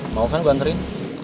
mau kan gue nganterin